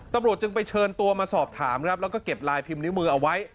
ตำรวจจึงไปเชิญตัวมาสอบถามครับแล้วก็เก็บลายพิมพ์นิ้วมือเอาไว้